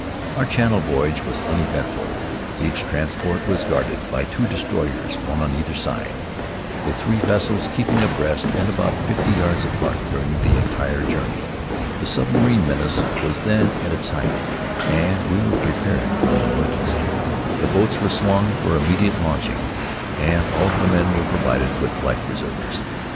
Our Channel voyage was uneventful. Each transport was guarded by two destroyers, one on either side, the three vessels keeping abreast and about fifty yards apart during the entire journey. The submarine menace was then at its height, and we were prepared for an emergency. The boats were swung ready for immediate launching, and all of the men were provided with life preservers.